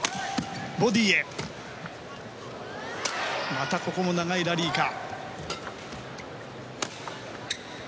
またここも長いラリーか。